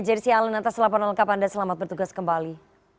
jersia alenata selamat melengkapkan dan selamat bertugas kembali